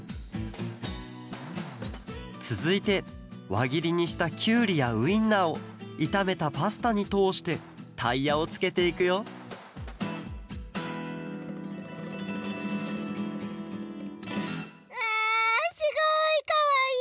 つづいてわぎりにしたキュウリやウインナーをいためたパスタにとおしてタイヤをつけていくようわすごいかわいい！